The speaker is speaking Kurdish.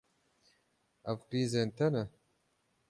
Ev qîzên te ne?